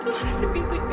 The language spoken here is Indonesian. mana sih pintunya